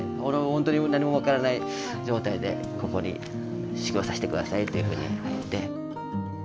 本当に何も分からない状態でここに修業させてくださいっていうふうに言って。